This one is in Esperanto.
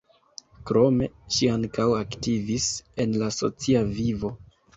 Krome ŝi ankaŭ aktivis en la socia vivo.